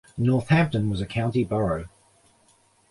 Northampton was a county borough.